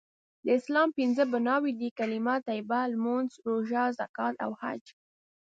د اسلام پنځه بنأوي دي.کلمه طیبه.لمونځ.روژه.زکات.او حج